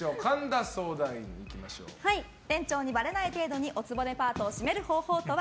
店長にばれない程度にお局パートをシメる方法とは？